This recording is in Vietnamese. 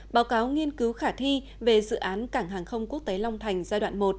báo cáo nghiên cứu khả thi về dự án cảng hàng không quốc tế long thành giai đoạn một